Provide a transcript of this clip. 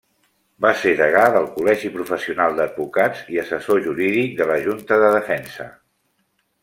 Va ser degà del Col·legi Professional d'Advocats i assessor jurídic de la Junta de Defensa.